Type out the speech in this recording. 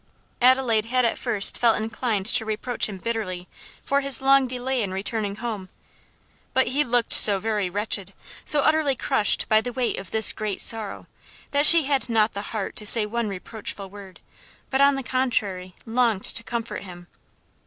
Adelaide had at first felt inclined to reproach him bitterly for his long delay in returning home, but he looked so very wretched, so utterly crushed by the weight of this great sorrow, that she had not the heart to say one reproachful word, but on the contrary longed to comfort him.